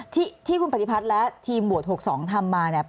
ที่คุณปฏิพัฒน์และทีมโหวต๖๒ทำมาเนี่ย